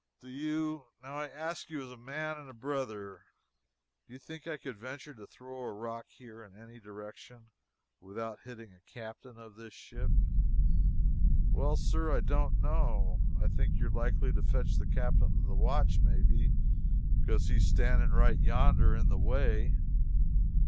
Do you now I ask you as a man and a brother do you think I could venture to throw a rock here in any given direction without hitting a captain of this ship?" "Well, sir, I don't know I think likely you'd fetch the captain of the watch may be, because he's a standing right yonder in the way."